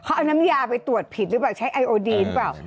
เขาเอาน้ำยาไปตรวจผิดหรือเปล่าใช้ไอโอดีนหรือเปล่า